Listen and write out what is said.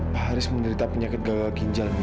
papa menderita penyakit gagal ginjal mila